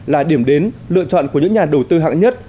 là điểm đến lựa chọn của những nhà đầu tư hạng nhất